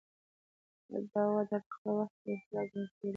دا وده په خپل وخت کې انقلاب ګڼل کېده.